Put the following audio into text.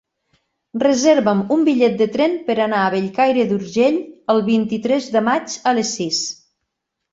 Reserva'm un bitllet de tren per anar a Bellcaire d'Urgell el vint-i-tres de maig a les sis.